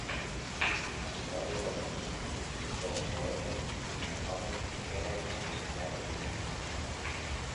A pesar del tratamiento, Nour muere y Mohammed queda desilusionado y deprimido.